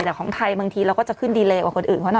แต่ของไทยบางทีเราก็จะขึ้นดีเลกว่าคนอื่นเขาหน่อย